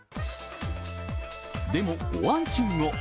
でもご安心を。